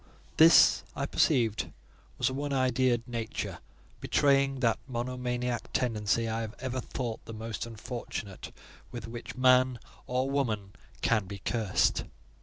This, I perceived, was a one idea'd nature; betraying that monomaniac tendency I have ever thought the most unfortunate with which man or woman can be cursed.